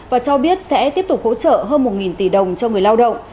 và cho biết sẽ tiếp tục hỗ trợ hơn một tỷ đồng cho người lao động